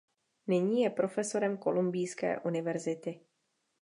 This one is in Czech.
Nyní je profesorem Kolumbijské univerzity.